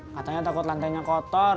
katanya takut lantainya kotor